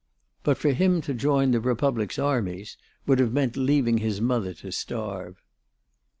But for him to join the Republic's armies would have meant leaving his mother to starve.